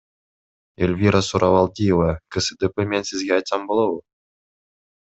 Элвира Сурабалдиева, КСДП Мен сизге айтсам болобу?